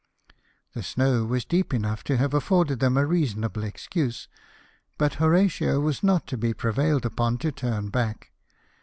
The snow was deep enough to have afforded them a reasonable excuse ; but Horatio was not to be prevailed upon to turn back.